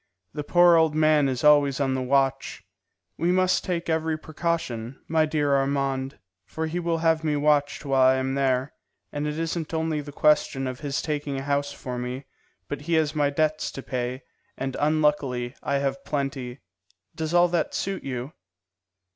The poor old man is always on the watch. We must take every precaution, my dear Armand, for he will have me watched while I am there; and it isn't only the question of his taking a house for me, but he has my debts to pay, and unluckily I have plenty. Does all that suit you?"